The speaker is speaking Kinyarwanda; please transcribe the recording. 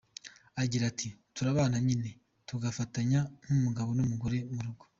Agira ati “Turabana nyine tugafatanya nk’umugabo n’umugore mu rugo.